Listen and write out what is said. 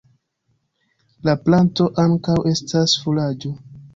La planto ankaŭ estas furaĝo.